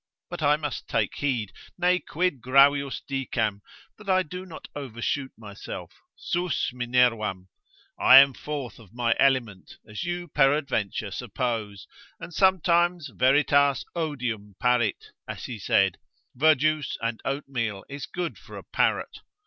But I must take heed, ne quid gravius dicam, that I do not overshoot myself, Sus Minervam, I am forth of my element, as you peradventure suppose; and sometimes veritas odium parit, as he said, verjuice and oatmeal is good for a parrot.